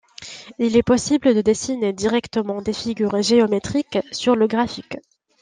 Il est possible de dessiner directement des figures géométriques sur le graphique.